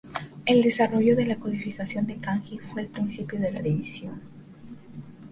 El desarrollo de la codificación de kanji fue el principio de la división.